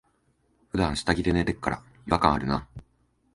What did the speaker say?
ふだん下着で寝てっから、違和感あるな。